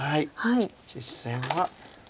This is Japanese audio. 実戦は。